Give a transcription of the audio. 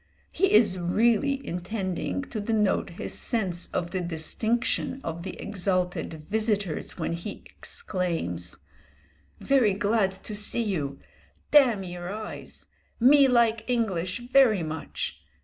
He is really intending to denote his sense of the distinction of the exalted visitors, when he exclaims: "Very glad see you! Damn your eyes! Me like English very much.